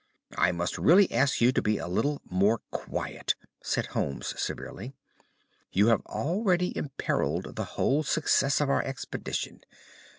"I must really ask you to be a little more quiet!" said Holmes severely. "You have already imperilled the whole success of our expedition.